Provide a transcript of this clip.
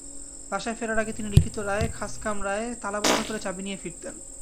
বাসায় ফেরার আগে তিনি লিখিত রায় খাসকামরায় তালাবদ্ধ করে চাবি নিয়ে ফিরতেন।